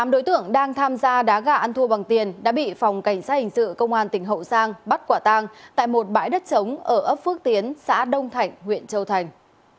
tám đối tượng đang tham gia đá gà ăn thua bằng tiền đã bị phòng cảnh sát hình sự công an tỉnh hậu giang bắt quả tang tại một bãi đất trống ở ấp phước tiến xã đông thạnh huyện châu thành